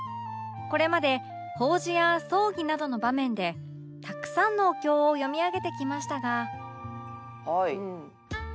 これまで法事や葬儀などの場面でたくさんのお経を読み上げてきましたが